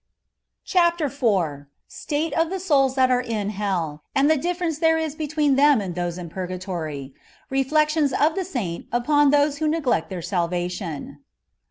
CHAPTER IV. STATE OF THE SOULS THAT ARE IN HELL, AND THE DIFFERENCE THERE IS BETWEEN THEM AND THOSE IN PURGATÒRT — RE FLECTI0N8 OF THE SAINT UPON THOSE WHO NEGLECT THEIR SALVATION.